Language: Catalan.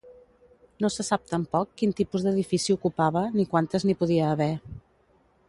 No se sap tampoc quin tipus d'edifici ocupava, ni quantes n'hi podia haver.